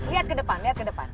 lihat ke depan lihat ke depan